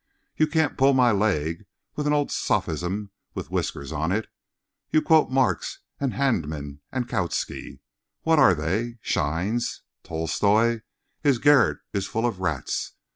You can't pull my leg with an old sophism with whiskers on it. You quote Marx and Hyndman and Kautsky—what are they?—shines! Tolstoi?—his garret is full of rats.